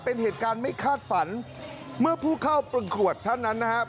เป็นเหตุการณ์ไม่คาดฝันเมื่อผู้เข้าประกวดเท่านั้นนะครับ